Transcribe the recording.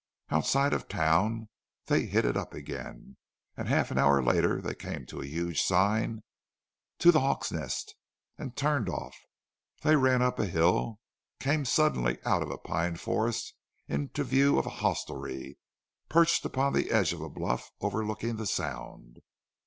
Outside of the town they "hit it up" again; and half an hour later they came to a huge sign, "To the Hawk's Nest," and turned off. They ran up a hill, and came suddenly out of a pine forest into view of a hostelry, perched upon the edge of a bluff overlooking the Sound.